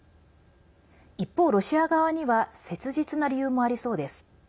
一方、ロシア側には切実な理由もありそうです。